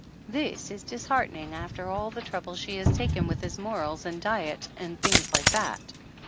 This is disheartening after all the trouble she has taken with his morals and diet and things like that